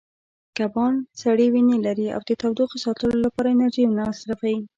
کبان سړې وینې لري او د تودوخې ساتلو لپاره انرژي نه مصرفوي.